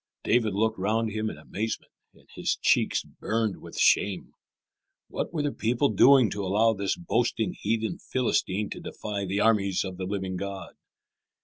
David looked round him in amazement, and his cheeks burned with shame. What were the people doing to allow this boasting heathen Philistine to defy the armies of the living God?